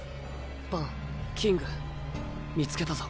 バンキング見つけたぞ。